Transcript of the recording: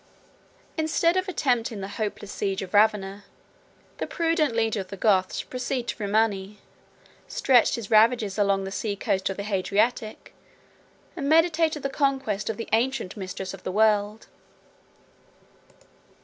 Instead of attempting the hopeless siege of Ravenna, the prudent leader of the Goths proceeded to Rimini, stretched his ravages along the sea coast of the Hadriatic, and meditated the conquest of the ancient mistress of the world.